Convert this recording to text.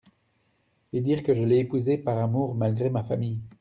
Et dire que je l’ai épousée par amour, malgré ma famille !